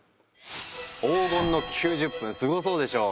黄金の９０分すごそうでしょう？